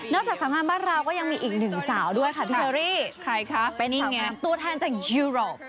นอกจากสำงามบ้านราวก็ยังมีอีกหนึ่งสาวด้วยค่ะที่เฮอรี่ใครคะเป็นสาวงามตัวแทนจากยูโรป